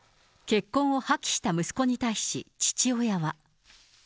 結婚を破棄した息子に対し、父親は。